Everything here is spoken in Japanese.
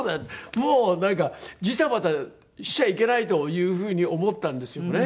もうなんかジタバタしちゃいけないという風に思ったんですよね